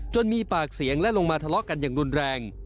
มีปากเสียงและลงมาทะเลาะกันอย่างรุนแรง